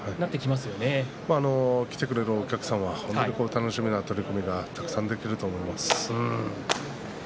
来てくれるお客さんが楽しみな取組がたくさんできると思います。